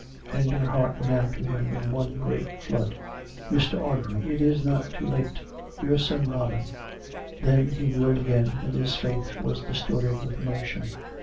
And her heart went out to him in one great flood. " Mr. Audrey. It is not too late. Your son Robin " Then he wheeled again; and his face was distorted with emotion.